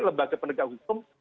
lembaga pendekat hukum